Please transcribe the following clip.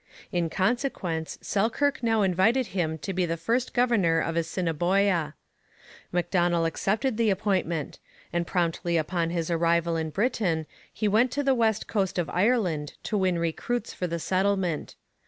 In consequence, Selkirk now invited him to be the first governor of Assiniboia. Macdonell accepted the appointment; and promptly upon his arrival in Britain he went to the west coast of Ireland to win recruits for the settlement.